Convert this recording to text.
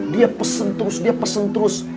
dia pesen terus dia pesen terus